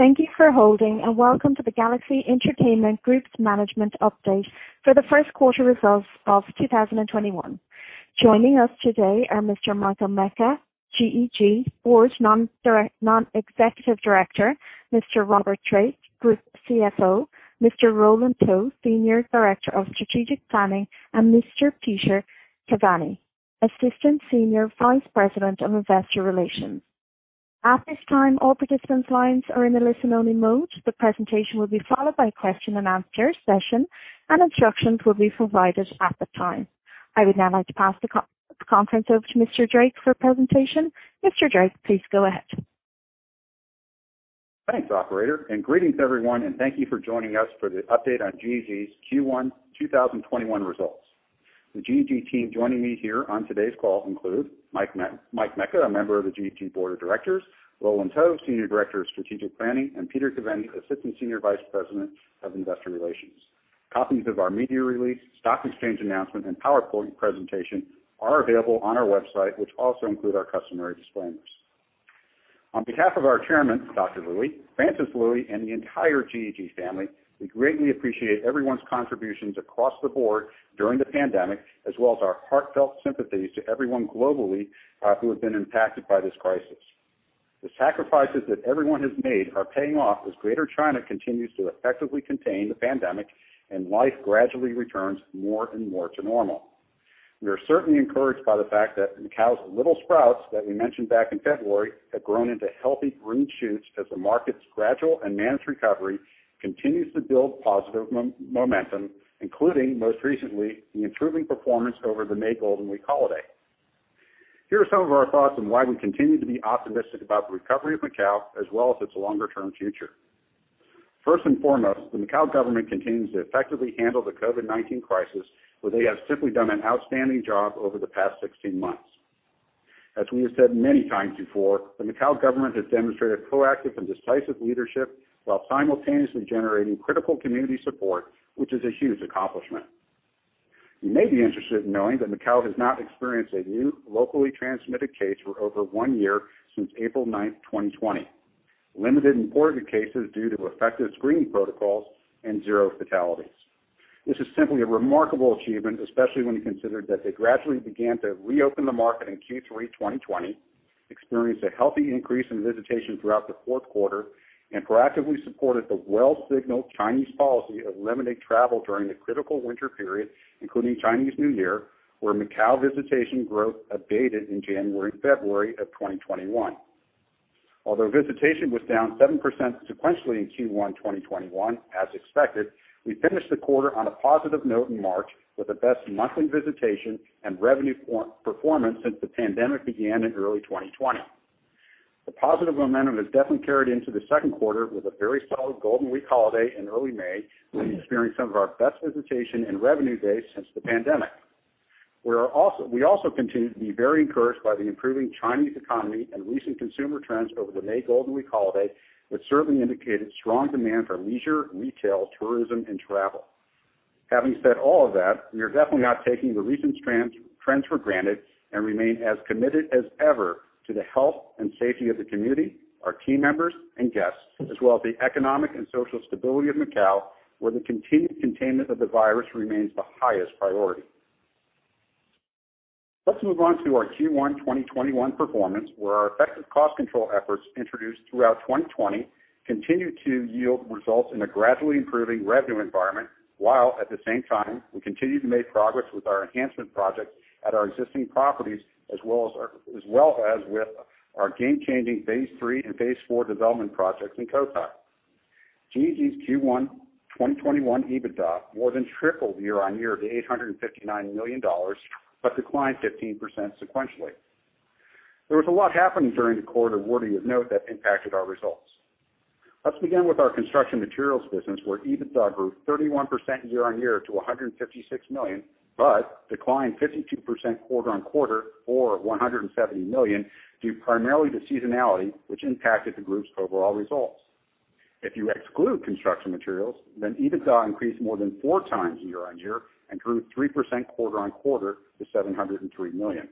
Thank you for holding, and welcome to the Galaxy Entertainment Group's management update for the first quarter results of 2021. Joining us today are Mr. Mike Mecca, GEG Board Non-Executive Director, Mr. Robert Drake, Group CFO, Mr. Roland To, Senior Director of Strategic Planning, and Mr. Peter Caveny, Assistant Senior Vice President of Investor Relations. At this time, all participants' lines are in a listen-only mode. The presentation will be followed by a question and answer session, and instructions will be provided at the time. I would now like to pass the conference over to Mr. Drake for presentation. Mr. Drake, please go ahead. Thanks, operator. Greetings everyone. Thank you for joining us for the update on GEG's Q1 2021 results. The GEG team joining me here on today's call include Mike Mecca, a member of the GEG Board of Directors, Roland To, Senior Director of Strategic Planning, and Peter Caveny, Assistant Senior Vice President of Investor Relations. Copies of our media release, stock exchange announcement, and PowerPoint presentation are available on our website, which also include our customary disclaimers. On behalf of our Chairman, Dr. Lui, Francis Lui, and the entire GEG family, we greatly appreciate everyone's contributions across the board during the pandemic, as well as our heartfelt sympathies to everyone globally who have been impacted by this crisis. The sacrifices that everyone has made are paying off as Greater China continues to effectively contain the pandemic and life gradually returns more and more to normal. We are certainly encouraged by the fact that Macau's little sprouts that we mentioned back in February have grown into healthy green shoots as the market's gradual and managed recovery continues to build positive momentum, including, most recently, the improving performance over the May Golden Week holiday. Here are some of our thoughts on why we continue to be optimistic about the recovery of Macau as well as its longer-term future. First and foremost, the Macau government continues to effectively handle the COVID-19 crisis, where they have simply done an outstanding job over the past 16 months. As we have said many times before, the Macau government has demonstrated proactive and decisive leadership while simultaneously generating critical community support, which is a huge accomplishment. You may be interested in knowing that Macau has not experienced a new locally transmitted case for over one year since April 9th, 2020, limited imported cases due to effective screening protocols, and zero fatalities. This is simply a remarkable achievement, especially when you consider that they gradually began to reopen the market in Q3 2020, experienced a healthy increase in visitation throughout the fourth quarter, and proactively supported the well-signaled Chinese policy of limiting travel during the critical winter period, including Chinese New Year, where Macau visitation growth abated in January and February of 2021. Although visitation was down 7% sequentially in Q1 2021, as expected, we finished the quarter on a positive note in March with the best monthly visitation and revenue performance since the pandemic began in early 2020. The positive momentum has definitely carried into the second quarter with a very solid Golden Week holiday in early May. We experienced some of our best visitation and revenue days since the pandemic. We also continue to be very encouraged by the improving Chinese economy and recent consumer trends over the May Golden Week holiday, which certainly indicated strong demand for leisure, retail, tourism, and travel. Having said all of that, we are definitely not taking the recent trends for granted and remain as committed as ever to the health and safety of the community, our team members and guests, as well as the economic and social stability of Macau, where the continued containment of the virus remains the highest priority. Let's move on to our Q1 2021 performance, where our effective cost control efforts introduced throughout 2020 continued to yield results in a gradually improving revenue environment, while at the same time, we continued to make progress with our enhancement projects at our existing properties, as well as with our game-changing phase III and phase IV development projects in Cotai. GEG's Q1 2021 EBITDA more than tripled year-on-year to 859 million dollars. Declined 15% sequentially. There was a lot happening during the quarter worthy of note that impacted our results. Let's begin with our construction materials business, where EBITDA grew 31% year-on-year to 156 million. Declined 52% quarter-on-quarter or 170 million due primarily to seasonality, which impacted the group's overall results. If you exclude construction materials, EBITDA increased more than 4x year-on-year and grew 3% quarter-on-quarter to 703 million.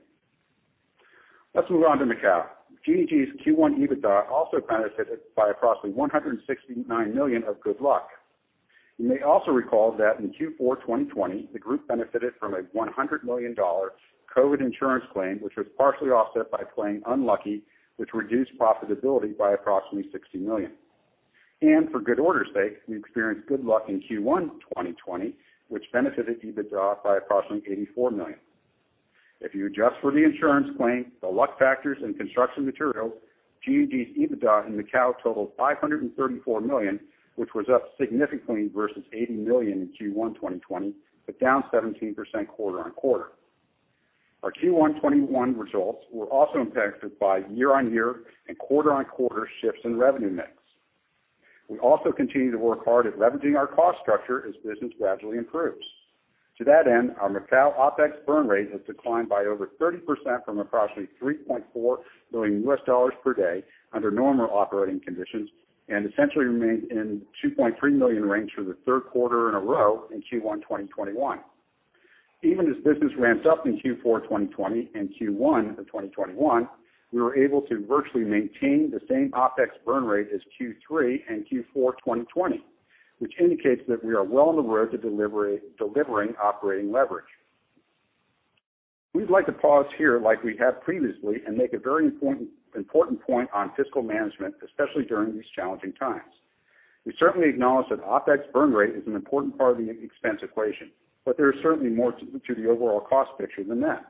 Let's move on to Macau. GEG's Q1 EBITDA also benefited by approximately 169 million of good luck. You may also recall that in Q4 2020, the group benefited from a 100 million dollar COVID insurance claim, which was partially offset by playing unlucky, which reduced profitability by approximately 60 million. For good order's sake, we experienced good luck in Q1 2020, which benefited EBITDA by approximately 84 million. If you adjust for the insurance claim, the luck factors, and construction materials, GEG's EBITDA in Macau totaled 534 million, which was up significantly versus 80 million in Q1 2020, but down 17% quarter-on-quarter. Our Q1 2021 results were also impacted by year-on-year and quarter-on-quarter shifts in revenue mix. We also continue to work hard at leveraging our cost structure as business gradually improves. To that end, our Macau OpEx burn rate has declined by over 30% from approximately $3.4 million per day under normal operating conditions and essentially remained in the 2.3 million range for the third quarter in a row in Q1 2021. Even as business ramps up in Q4 2020 and Q1 of 2021, we were able to virtually maintain the same OpEx burn rate as Q3 and Q4 2020, which indicates that we are well on the road to delivering operating leverage. We'd like to pause here like we have previously and make a very important point on fiscal management, especially during these challenging times. We certainly acknowledge that OpEx burn rate is an important part of the expense equation, there is certainly more to the overall cost picture than that.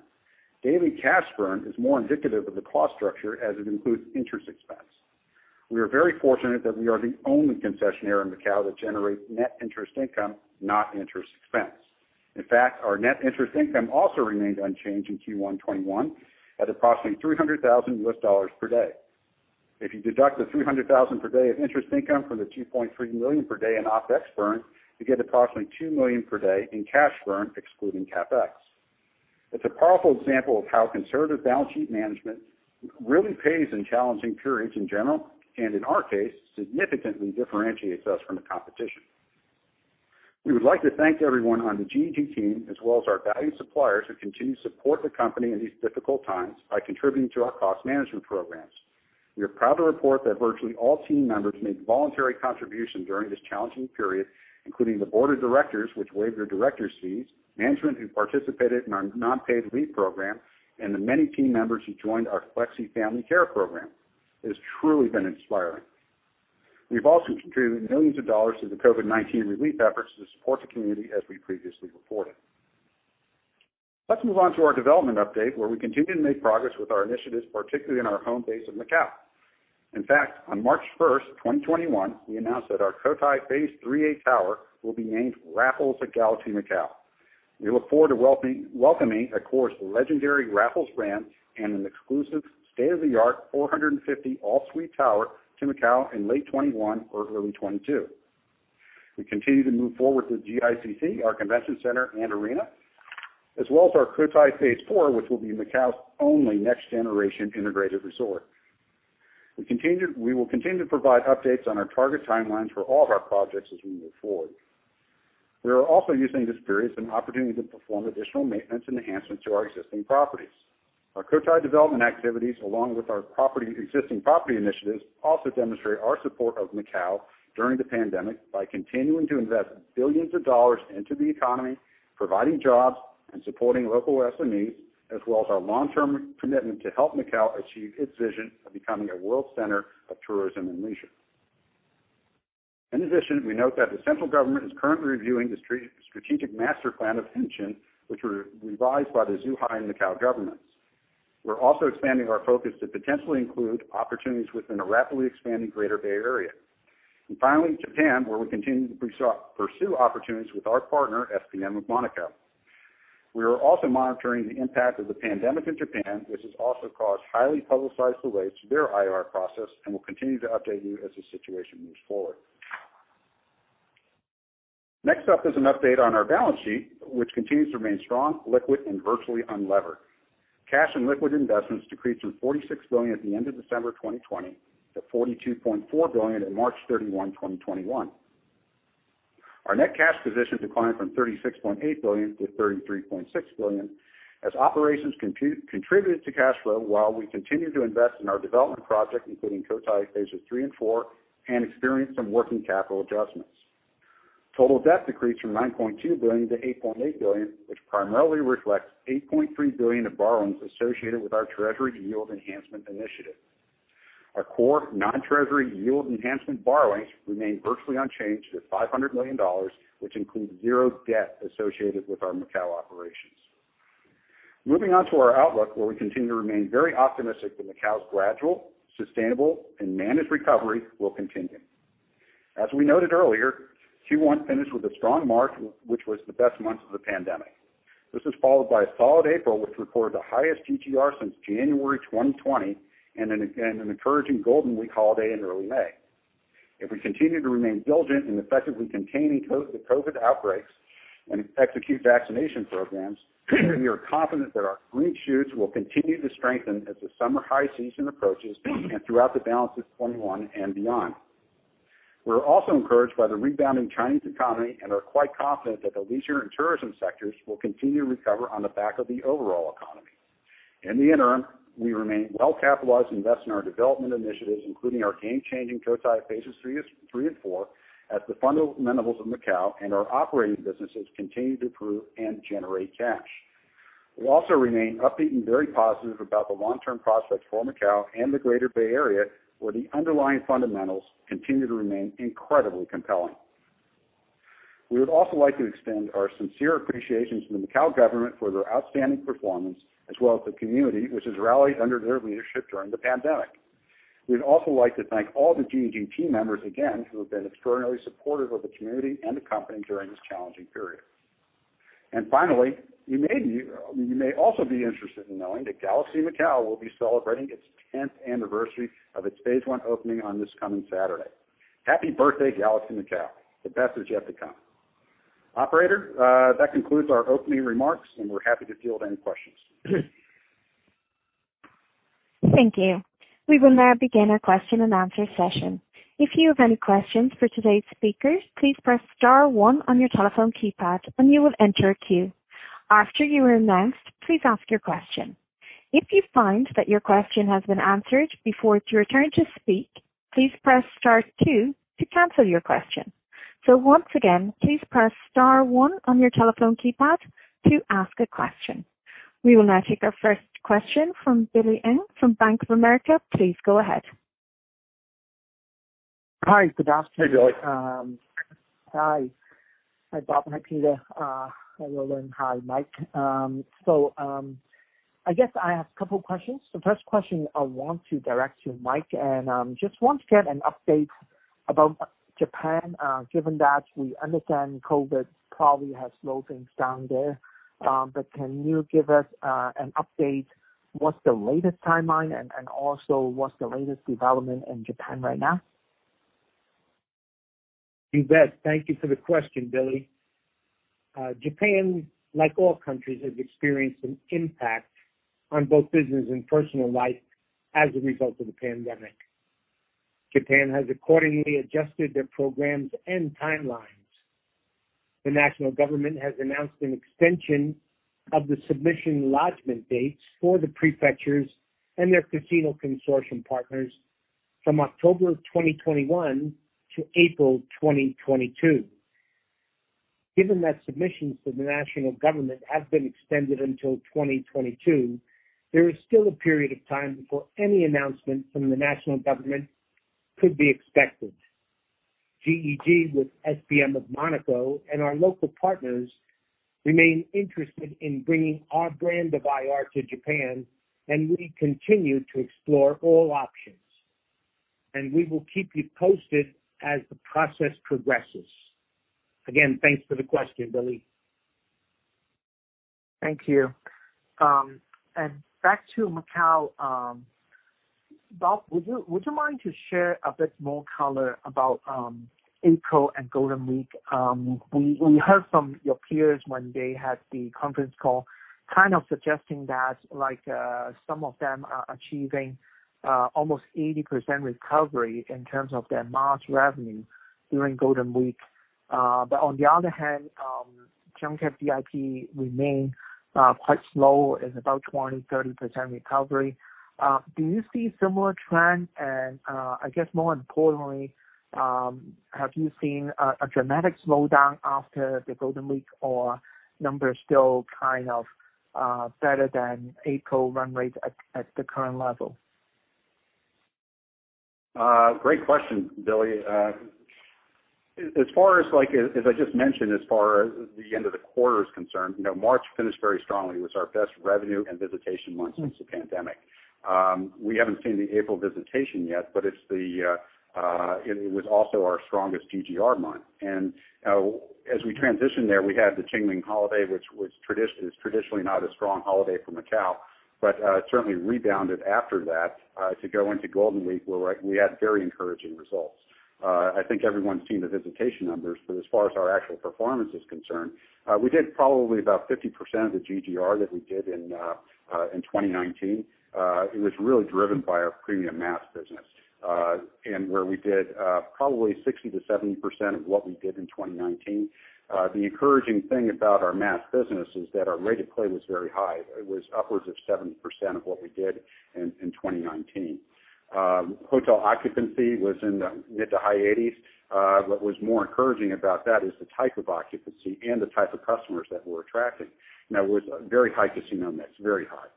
Daily cash burn is more indicative of the cost structure as it includes interest expense. We are very fortunate that we are the only concessionaire in Macau that generates net interest income, not interest expense. In fact, our net interest income also remained unchanged in Q1 2021 at approximately $300,000 per day. If you deduct the $300,000 per day of interest income from the 2.3 million per day in OpEx burn, you get approximately 2 million per day in cash burn, excluding CapEx. It's a powerful example of how conservative balance sheet management really pays in challenging periods in general, and in our case, significantly differentiates us from the competition. We would like to thank everyone on the GEG team, as well as our valued suppliers who continue to support the company in these difficult times by contributing to our cost management programs. We are proud to report that virtually all team members made voluntary contributions during this challenging period, including the Board of Directors, which waived their director's fees, management who participated in our non-paid leave program, and the many team members who joined our Flexi-Family Care program. It has truly been inspiring. We've also contributed millions of dollars to the COVID-19 relief efforts to support the community, as we previously reported. Let's move on to our development update, where we continue to make progress with our initiatives, particularly in our home base of Macau. In fact, on March 1st, 2021, we announced that our Cotai phase III tower will be named Raffles at Galaxy Macau. We look forward to welcoming Accor's legendary Raffles brand and an exclusive, state-of-the-art, 450 all-suite tower to Macau in late 2021 or early 2022. We continue to move forward with GICC, our convention center and arena, as well as our Cotai phase IV, which will be Macau's only next-generation integrated resort. We will continue to provide updates on our target timelines for all of our projects as we move forward. We are also using this period as an opportunity to perform additional maintenance and enhancements to our existing properties. Our Cotai development activities, along with our existing property initiatives, also demonstrate our support of Macau during the pandemic by continuing to invest billions of dollars into the economy, providing jobs, and supporting local SMEs, as well as our long-term commitment to help Macau achieve its vision of becoming a world center of tourism and leisure. In addition, we note that the central government is currently reviewing the strategic master plan of Hengqin, which were revised by the Zhuhai and Macau governments. We're also expanding our focus to potentially include opportunities within the rapidly expanding Greater Bay Area. Finally, Japan, where we continue to pursue opportunities with our partner, SBM of Monaco. We are also monitoring the impact of the pandemic in Japan, which has also caused highly publicized delays to their IR process, and we'll continue to update you as the situation moves forward. Next up is an update on our balance sheet, which continues to remain strong, liquid, and virtually unlevered. Cash and liquid investments decreased from 46 billion at the end of December 2020 to 42.4 billion at March 31, 2021. Our net cash position declined from 36.8 billion-33.6 billion as operations contributed to cash flow while we continued to invest in our development project, including Cotai phases III and IV, and experienced some working capital adjustments. Total debt decreased from 9.2 billion-8.8 billion, which primarily reflects 8.3 billion of borrowings associated with our treasury yield enhancement initiative. Our core non-treasury yield enhancement borrowings remain virtually unchanged at 500 million dollars, which includes zero debt associated with our Macau operations. Moving on to our outlook, where we continue to remain very optimistic that Macau's gradual, sustainable, and managed recovery will continue. As we noted earlier, Q1 finished with a strong March, which was the best month of the pandemic. This was followed by a solid April, which reported the highest GGR since January 2020, and an encouraging Golden Week holiday in early May. If we continue to remain diligent in effectively containing the COVID-19 outbreaks and execute vaccination programs, we are confident that our green shoots will continue to strengthen as the summer high season approaches and throughout the balance of 2021 and beyond. We're also encouraged by the rebounding Chinese economy and are quite confident that the leisure and tourism sectors will continue to recover on the back of the overall economy. In the interim, we remain well-capitalized to invest in our development initiatives, including our game-changing Cotai Phases III and IV at the fundamentals of Macau and our operating businesses continue to improve and generate cash. We also remain upbeat and very positive about the long-term prospects for Macau and the Greater Bay Area, where the underlying fundamentals continue to remain incredibly compelling. We would also like to extend our sincere appreciation to the Macau government for their outstanding performance, as well as the community, which has rallied under their leadership during the pandemic. We'd also like to thank all the GEG team members again, who have been extraordinarily supportive of the community and the company during this challenging period. Finally, you may also be interested in knowing that Galaxy Macau will be celebrating its 10th anniversary of its phase I opening on this coming Saturday. Happy birthday, Galaxy Macau. The best is yet to come. Operator, that concludes our opening remarks, and we're happy to field any questions. Thank you. We will now begin our question and answer session. If you have any questions for today's speakers, please press star one on your telephone keypad and you will enter a queue. After you are announced, please ask your question. If you find that your question has been answered before it's your turn to speak, please press star two to cancel your question. Once again, please press star 1 on your telephone keypad to ask a question. We will now take our first question from Billy Ng from Bank of America. Please go ahead. Hi. Hey, Billy. Hi. Hi, Bob, and hi, Peter. Hello, Lynn. Hi, Mike. I guess I have a couple questions. The first question I want to direct to Mike, and just want to get an update about Japan, given that we understand COVID probably has slowed things down there. Can you give us an update, what's the latest timeline and also what's the latest development in Japan right now? You bet. Thank you for the question, Billy. Japan, like all countries, has experienced an impact on both business and personal life as a result of the pandemic. Japan has accordingly adjusted their programs and timelines. The national government has announced an extension of the submission lodgment dates for the prefectures and their casino consortium partners from October of 2021 to April 2022. Given that submissions to the national government have been extended until 2022, there is still a period of time before any announcement from the national government could be expected. GEG with SBM of Monaco and our local partners remain interested in bringing our brand of IR to Japan, and we continue to explore all options. We will keep you posted as the process progresses. Again, thanks for the question, Billy. Thank you. Back to Macau. Bob, would you mind to share a bit more color about April and Golden Week? We heard from your peers when they had the conference call, kind of suggesting that some of them are achieving almost 80% recovery in terms of their mass revenue during Golden Week. On the other hand, junket VIP remain quite slow. It's about 20%-30% recovery. Do you see similar trend? I guess more importantly, have you seen a dramatic slowdown after the Golden Week or numbers still kind of better than April run rate at the current level? Great question, Billy. As I just mentioned, as far as the end of the quarter is concerned, March finished very strongly. It was our best revenue and visitation month since the pandemic. We haven't seen the April visitation yet, but it was also our strongest GGR month. As we transitioned there, we had the Qingming holiday, which is traditionally not a strong holiday for Macau. Certainly rebounded after that, to go into Golden Week, where we had very encouraging results. I think everyone's seen the visitation numbers, but as far as our actual performance is concerned, we did probably about 50% of the GGR that we did in 2019. It was really driven by our premium mass business, and where we did probably 60%-70% of what we did in 2019. The encouraging thing about our mass business is that our rate of play was very high. It was upwards of 70% of what we did in 2019. Hotel occupancy was in the mid to high 80s. What was more encouraging about that is the type of occupancy and the type of customers that we're attracting. It was very high casino mix, very high.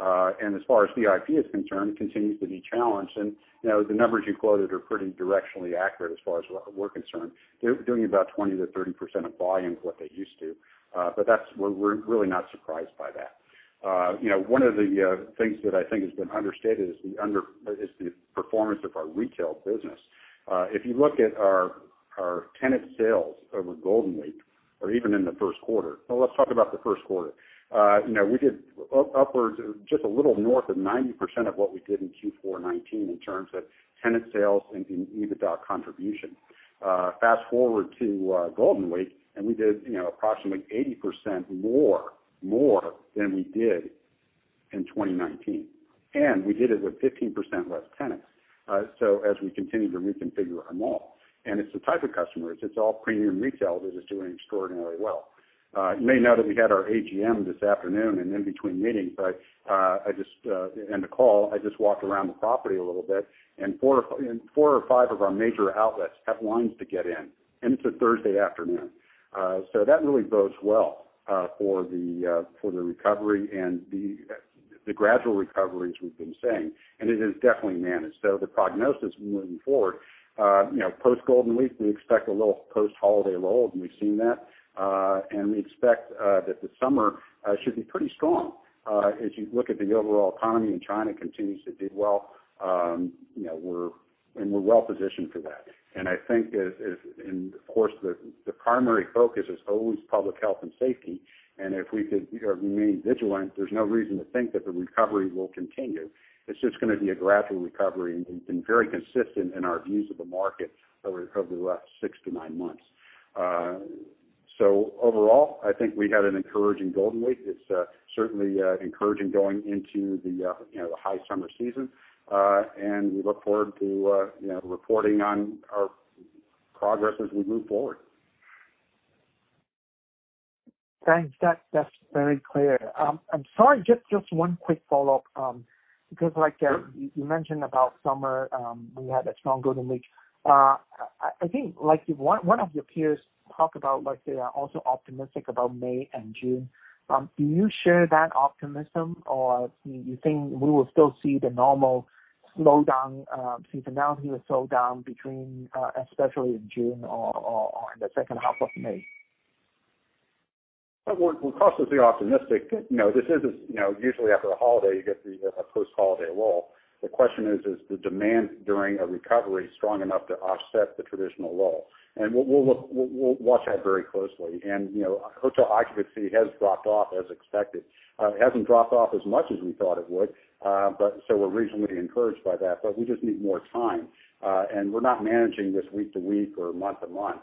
As far as VIP is concerned, it continues to be challenged. The numbers you quoted are pretty directionally accurate as far as we're concerned. They're doing about 20%-30% of volume to what they used to. We're really not surprised by that. One of the things that I think has been understated is the performance of our retail business. If you look at our tenant sales over Golden Week or even in the first quarter. Well, let's talk about the first quarter. We did upwards of just a little north of 90% of what we did in Q4 2019 in terms of tenant sales and EBITDA contribution. Fast-forward to Golden Week, we did approximately 80% more than we did in 2019. We did it with 15% less tenants. As we continue to reconfigure our mall, and it's the type of customers. It's all premium retail that is doing extraordinarily well. You may know that we had our AGM this afternoon and in between meetings, and the call, I just walked around the property a little bit, and four or five of our major outlets have lines to get in, and it's a Thursday afternoon. That really bodes well for the recovery and the gradual recoveries we've been seeing. It is definitely managed. The prognosis moving forward, post Golden Week, we expect a little post-holiday lull, and we've seen that. We expect that the summer should be pretty strong. As you look at the overall economy and China continues to do well, and we're well-positioned for that. I think, and of course, the primary focus is always public health and safety. If we remain vigilant, there's no reason to think that the recovery won't continue. It's just going to be a gradual recovery, and we've been very consistent in our views of the market over the last six to nine months. Overall, I think we had an encouraging Golden Week. It's certainly encouraging going into the high summer season. We look forward to reporting on our progress as we move forward. Thanks. That's very clear. I'm sorry, just one quick follow-up. You mentioned about summer, we had a strong Golden Week. I think one of your peers talked about they are also optimistic about May and June. Do you share that optimism, or do you think we will still see the normal seasonality slowdown between, especially in June or in the second half of May? We're cautiously optimistic. Usually after the holiday, you get the post-holiday lull. The question is the demand during a recovery strong enough to offset the traditional lull? We'll watch that very closely. Hotel occupancy has dropped off as expected. It hasn't dropped off as much as we thought it would, so we're reasonably encouraged by that, but we just need more time. We're not managing this week to week or month to month.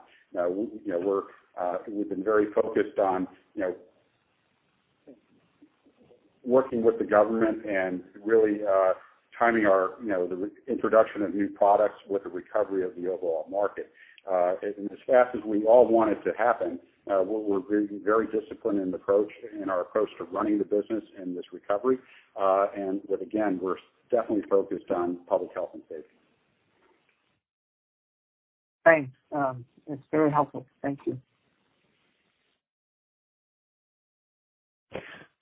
We've been very focused on working with the government and really timing the introduction of new products with the recovery of the overall market. As fast as we all want it to happen, we're very disciplined in our approach to running the business in this recovery. Again, we're definitely focused on public health and safety. Thanks. That's very helpful. Thank you.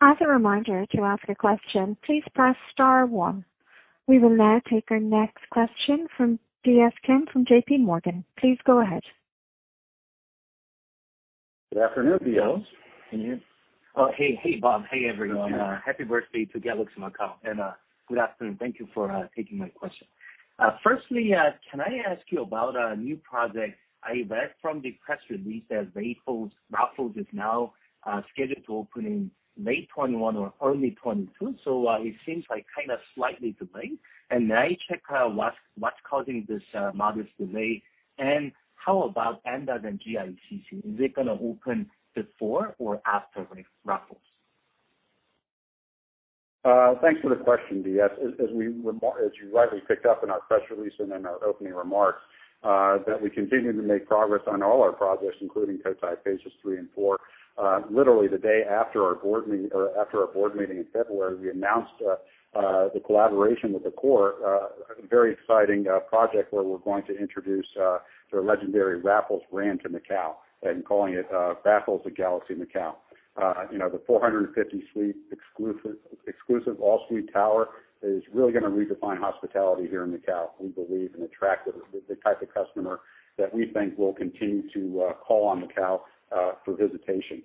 As a reminder, to ask a question, please press star one. We will now take our next question from DS Kim from JPMorgan. Please go ahead. Good afternoon, DS. Oh, hey, Bob. Hey, everyone. Happy birthday to Galaxy Macau, and good afternoon. Thank you for taking my question. Firstly, can I ask you about a new project? I read from the press release that Raffles is now scheduled to open in late 2021 or early 2022, so it seems like kind of slightly delayed. May I check what's causing this modest delay, and how about Andaz and GICC? Is it going to open before or after Raffles? Thanks for the question, DS. As you rightly picked up in our press release and in our opening remarks, that we continue to make progress on all our projects, including Cotai phases III and IV. Literally the day after our board meeting in February, we announced the collaboration with Accor, a very exciting project where we're going to introduce the legendary Raffles brand to Macau, and calling it Raffles at Galaxy Macau. The 450-suite exclusive all-suite tower is really going to redefine hospitality here in Macau, we believe, and attract the type of customer that we think will continue to call on Macau for visitation.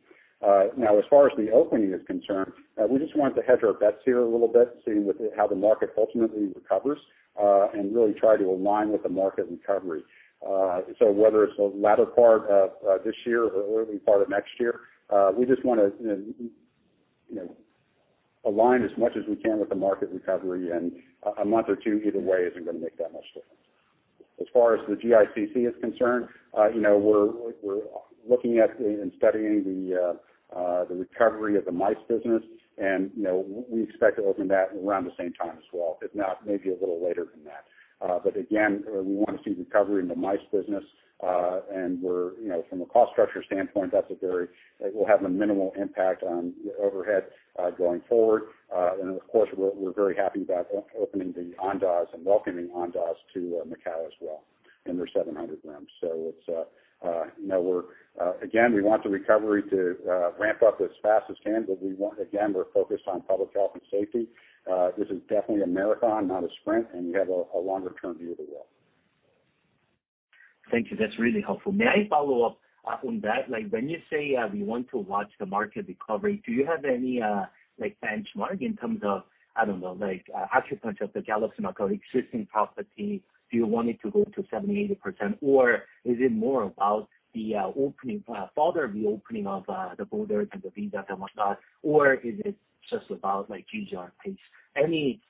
Now, as far as the opening is concerned, we just wanted to hedge our bets here a little bit, seeing how the market ultimately recovers, and really try to align with the market recovery. Whether it's the latter part of this year or early part of next year, we just want to align as much as we can with the market recovery. A month or two either way isn't going to make that much difference. As far as the GICC is concerned, we're looking at and studying the recovery of the MICE business, and we expect to open that around the same time as well, if not, maybe a little later than that. Again, we want to see recovery in the MICE business. From a cost structure standpoint, it will have a minimal impact on overhead going forward. Of course, we're very happy about opening the Andaz and welcoming Andaz to Macau as well, and their 700 rooms. Again, we want the recovery to ramp up as fast as can, but again, we're focused on public health and safety. This is definitely a marathon, not a sprint, and we have a longer-term view of the world. Thank you. That's really helpful. May I follow up on that? When you say we want to watch the market recovery, do you have any benchmark in terms of, I don't know, occupancy of the Galaxy Macau existing property? Do you want it to go to 70%, 80%, or is it more about the opening, further reopening of the borders and the visa and whatnot? Or is it just about GGR pace? Any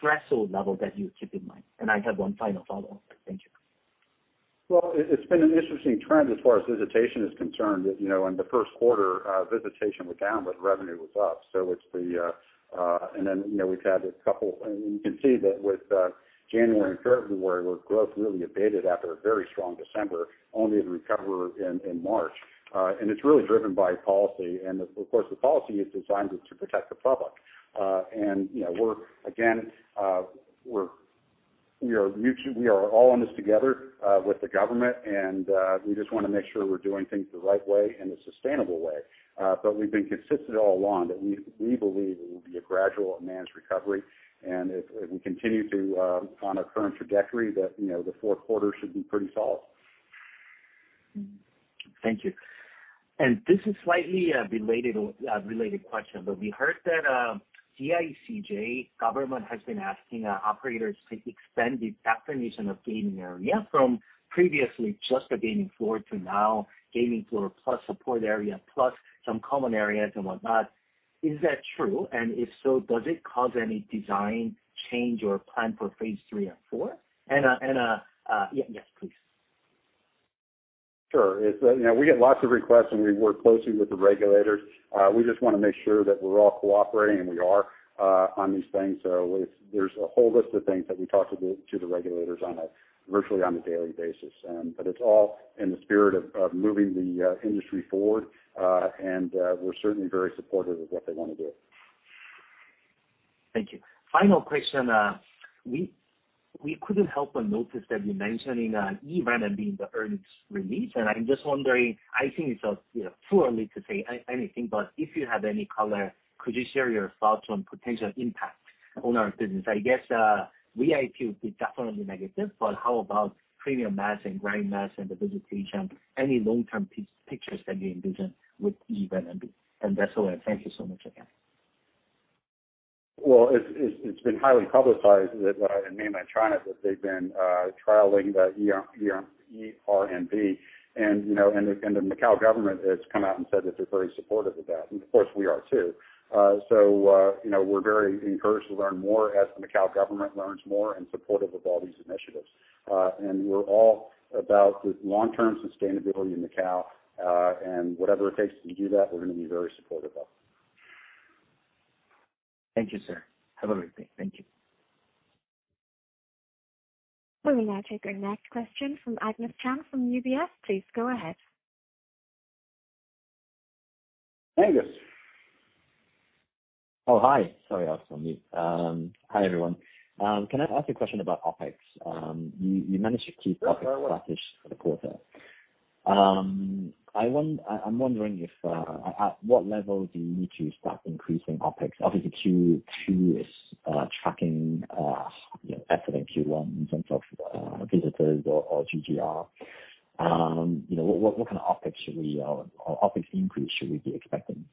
threshold level that you keep in mind? I have one final follow-up. Thank you. Well, it's been an interesting trend as far as visitation is concerned. In the first quarter, visitation was down, but revenue was up. You can see that with January and February, where growth really abated after a very strong December, only to recover in March. It's really driven by policy. Of course, the policy is designed to protect the public. We are all in this together with the government, and we just want to make sure we're doing things the right way and the sustainable way. We've been consistent all along that we believe it will be a gradual and managed recovery. If we continue on our current trajectory, that the fourth quarter should be pretty solid. Thank you. This is slightly a related question. We heard that DICJ government has been asking operators to extend the definition of gaming area from previously just the gaming floor to now gaming floor plus support area, plus some common areas and whatnot. Is that true? If so, does it cause any design change or plan for phase III and IV? Yes, please. Sure. We get lots of requests. We work closely with the regulators. We just want to make sure that we're all cooperating, and we are on these things. There's a whole list of things that we talk to the regulators on virtually on a daily basis. It's all in the spirit of moving the industry forward. We're certainly very supportive of what they want to do. Thank you. Final question. We couldn't help but notice that you're mentioning e-renminbi being the earnings release. I'm just wondering, I think it's too early to say anything. If you have any color, could you share your thoughts on potential impact on our business? I guess VIP will be definitely negative. How about premium mass and grand mass and the visitation? Any long-term pictures that you envision with e-renminbi? That's all. Thank you so much again. Well, it's been highly publicized, that Mainland China, that they've been trialing the e-RMB, and the Macau government has come out and said that they're very supportive of that. Of course, we are too. We're very encouraged to learn more as the Macau government learns more and supportive of all these initiatives. We're all about the long-term sustainability in Macau. Whatever it takes to do that, we're going to be very supportive of. Thank you, sir. Have a great day. Thank you. We'll now take our next question from Angus Chan from UBS. Please go ahead. Angus. Oh, hi. Sorry, I was on mute. Hi, everyone. Can I ask a question about OpEx? You managed to keep OpEx- Yes, no worries. flat-ish for the quarter. I'm wondering at what level do you need to start increasing OpEx? Obviously Q2 is tracking better than Q1 in terms of visitors or GGR. What kind of OpEx increase should we be expecting?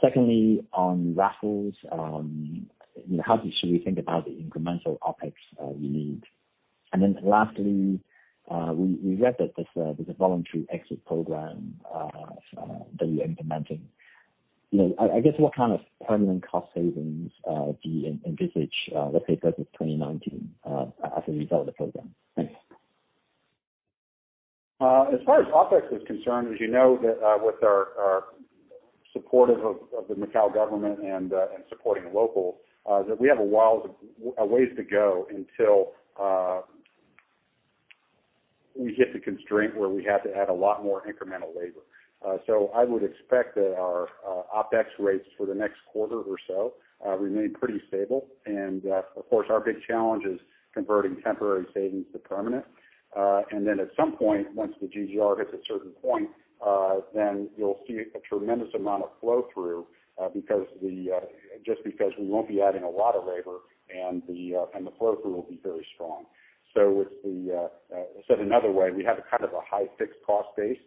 Secondly, on Raffles, how should we think about the incremental OpEx you need? Lastly, we read that there's a voluntary exit program that you're implementing. I guess what kind of permanent cost savings do you envisage, let's say versus 2019, as a result of the program? Thanks. As far as OpEx is concerned, as you know, with our supportive of the Macau government and supporting locals, that we have a ways to go until we hit the constraint where we have to add a lot more incremental labor. I would expect that our OpEx rates for the next quarter or so remain pretty stable. Of course, our big challenge is converting temporary savings to permanent. Then at some point, once the GGR hits a certain point, then you'll see a tremendous amount of flow-through, just because we won't be adding a lot of labor and the flow-through will be very strong. Said another way, we have a kind of a high fixed cost base.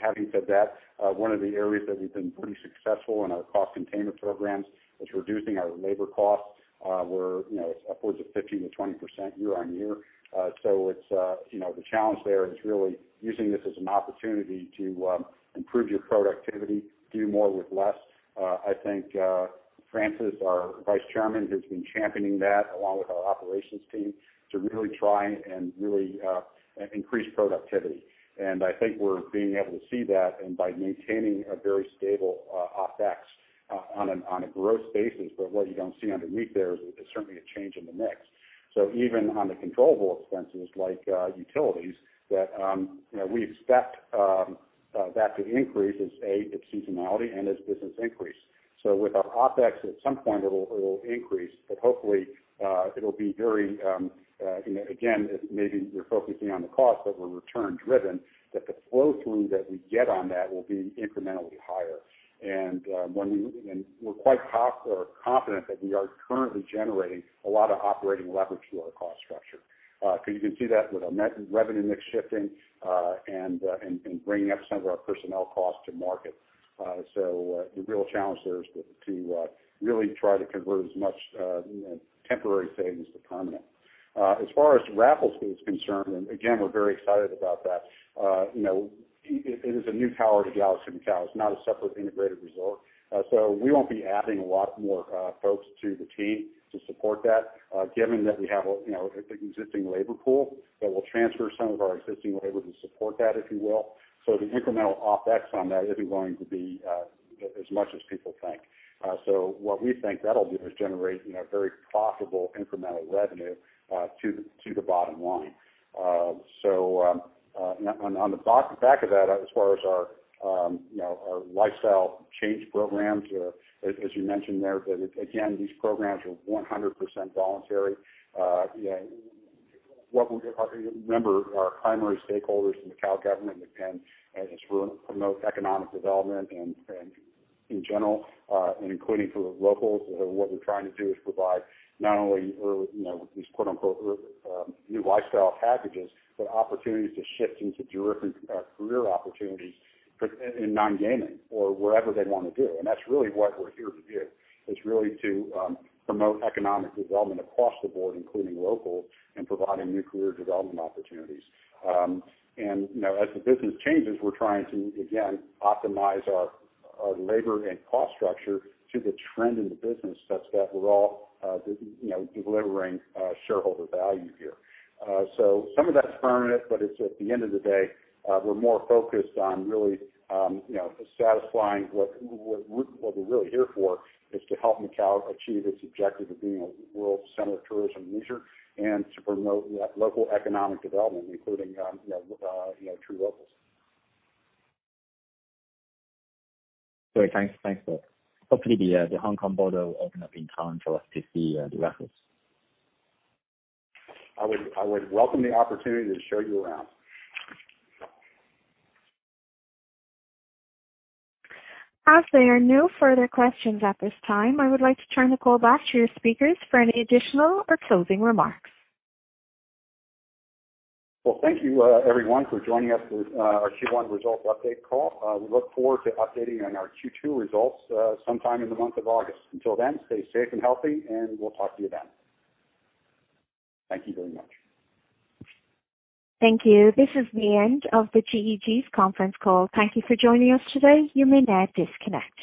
Having said that, one of the areas that we've been pretty successful in our cost containment programs is reducing our labor costs. It's upwards of 15%-20% year-on-year. The challenge there is really using this as an opportunity to improve your productivity, do more with less. I think Francis, our Vice Chairman, has been championing that along with our operations team to really try and increase productivity. I think we're being able to see that and by maintaining a very stable OpEx on a growth basis. What you don't see underneath there is certainly a change in the mix. Even on the controllable expenses like utilities, that we expect that to increase as it's seasonality and as business increase. With our OpEx, at some point it will increase, but hopefully it'll be very, again, maybe you're focusing on the cost, but we're return-driven, that the flow-through that we get on that will be incrementally higher. We're quite confident that we are currently generating a lot of operating leverage through our cost structure. Because you can see that with our revenue mix shifting, and bringing up some of our personnel costs to market. The real challenge there is to really try to convert as much temporary savings to permanent. As far as Raffles is concerned, and again, we're very excited about that. It is a new tower to Galaxy Macau. It's not a separate integrated resort. We won't be adding a lot more folks to the team to support that. Given that we have an existing labor pool that will transfer some of our existing labor to support that, if you will. The incremental OpEx on that isn't going to be as much as people think. What we think that'll do is generate very profitable incremental revenue to the bottom line. On the back of that, as far as our lifestyle change programs, as you mentioned there, that again, these programs are 100% voluntary. Remember, our primary stakeholders in the Macau government, again, is promote economic development and in general, and including for the locals, what we're trying to do is provide not only these quote-unquote, "new lifestyle packages," but opportunities to shift into different career opportunities in non-gaming or wherever they want to do. That's really what we're here to do, is really to promote economic development across the board, including locals, and providing new career development opportunities. As the business changes, we're trying to, again, optimize our labor and cost structure to the trend in the business such that we're all delivering shareholder value here. Some of that's permanent, but at the end of the day, we're more focused on really satisfying what we're really here for, is to help Macau achieve its objective of being a world center of tourism and leisure and to promote local economic development, including true locals. Great. Thanks, Bob. Hopefully, the Hong Kong border will open up in time for us to see the Raffles. I would welcome the opportunity to show you around. As there are no further questions at this time, I would like to turn the call back to your speakers for any additional or closing remarks. Thank you everyone for joining us for our Q1 results update call. We look forward to updating on our Q2 results sometime in the month of August. Until then, stay safe and healthy, and we'll talk to you then. Thank you very much. Thank you. This is the end of the GEG's conference call. Thank you for joining us today. You may now disconnect.